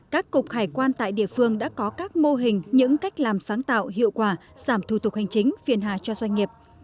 các cục hải quan tại địa phương đã có các mô hình những cách làm sáng tạo hiệu quả giảm thủ tục hành chính phiền hà cho doanh nghiệp